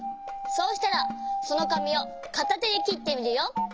そうしたらそのかみをかたてできってみるよ。